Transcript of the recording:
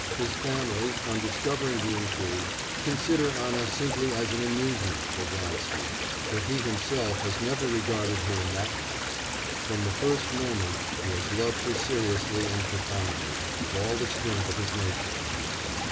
His family, on discovering the intrigue, consider Anna simply as an amusement for Vronsky, but he himself has never regarded her in that light; from the first moment he has loved her seriously and profoundly, with all the strength of his nature.